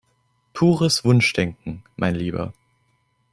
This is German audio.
Pures Wunschdenken, mein Lieber!